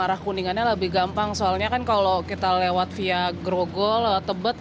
arah kuningannya lebih gampang soalnya kan kalau kita lewat via grogol tebet